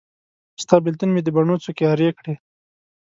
ستا بیلتون مې د بڼو څوکي ارې کړې